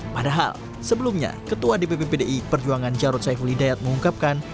padahal sebelumnya ketua dpp pdi perjuangan jarod saiful hidayat mengungkapkan